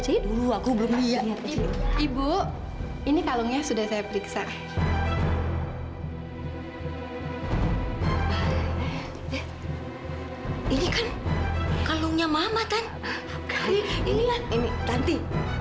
dulu aku belum lihat ibu ini kalau sudah saya periksa ini kan kalau nyamatan ini